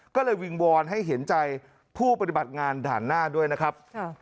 ก็เลยวิงวอนให้เห็นใจผู้ปฏิบัติงานด่านหน้าด้วยนะครับ